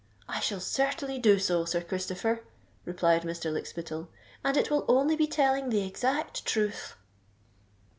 "I shall certainly do so, Sir Christopher," replied Mr. Lykspittal; "and it will only be telling the exact truth."